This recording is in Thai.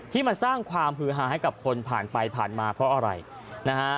ที่มันสร้างความฮือหาให้กับคนผ่านไปผ่านมาเพราะอะไรนะฮะ